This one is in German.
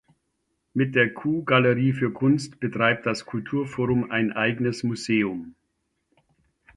Mit der "Q Galerie für Kunst" betreibt das Kulturforum ein eigenes Museum.